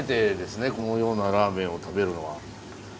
このようなラーメンを食べるのは。